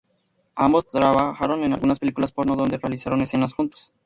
Ambos trabajaron en algunas películas porno, donde realizaron escenas juntos.